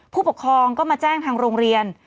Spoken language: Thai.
ผู้ปกครองก็มาแจ้งทางโรงเรียน